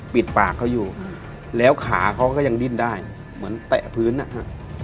ปิดปากเขาอยู่แล้วขาเขาก็ยังดิ้นได้เหมือนแตะพื้นนะครับ